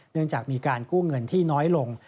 เนื่องจากมีการกู้เงินที่น้อยลง